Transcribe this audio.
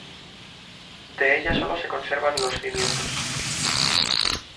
De ella solo se conservan los cimientos.